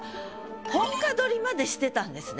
本歌取りまでしてたんですね。